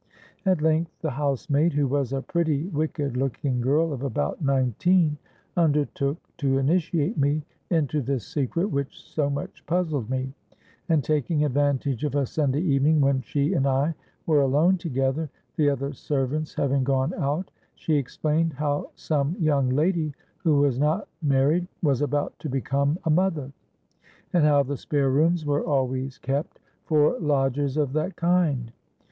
At length the housemaid, who was a pretty, wicked looking girl of about nineteen, undertook to initiate me into the secret which so much puzzled me; and, taking advantage of a Sunday evening when she and I were alone together, the other servants having gone out, she explained how some young lady, who was not married, was about to become a mother—and how the spare rooms were always kept for lodgers of that kind.